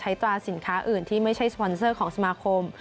ตราสินค้าอื่นที่ไม่ใช่สปอนเซอร์ของสมาคม